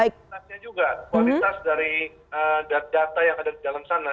kualitas dari data yang ada di dalam sana